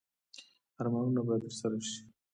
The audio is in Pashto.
ارمانونه باید ترسره شي